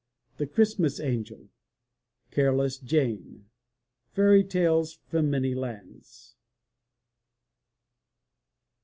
The Christmas Angel. Careless Jane. Fairy Tales from Many Lands.